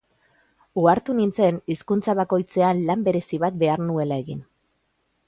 Ohartu nintzen hizkuntza bakoitzean lan berezi bat behar nuela egin.